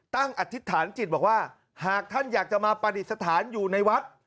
อธิษฐานจิตบอกว่าหากท่านอยากจะมาปฏิสถานอยู่ในวัด